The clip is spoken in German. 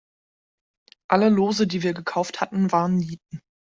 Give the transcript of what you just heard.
Alle Lose, die wir gekauft hatten, waren Nieten.